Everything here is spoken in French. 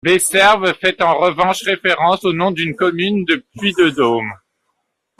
Besserve fait en revanche référence au nom d’une commune du Puy-de-Dôme.